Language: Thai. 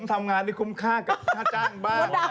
ทำงานที่คุ้มค่ากับค่าจ้างบ้าง